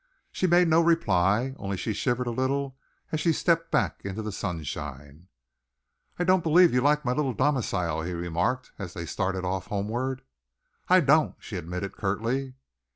She made no reply, only she shivered a little as she stepped back into the sunshine. "I don't believe you like my little domicile," he remarked, as they started off homeward. "I don't," she admitted curtly.